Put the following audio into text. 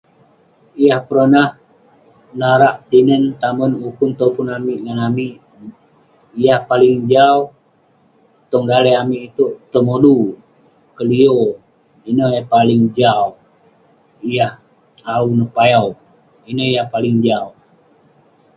Yah peronah narak tinen, tamen, ukun, topun amik angan amik, yah paling jau tong daleh amik iteuk temonu, kelio ineh yah paling jau. Yah aung payau. Ineh yah paling jau.